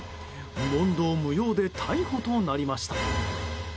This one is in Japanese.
問答無用で逮捕となりました。